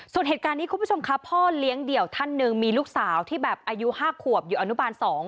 ส่วนเหตุการณ์นี้คุณผู้ชมครับพ่อเลี้ยงเดี่ยวท่านหนึ่งมีลูกสาวที่แบบอายุ๕ขวบอยู่อนุบาล๒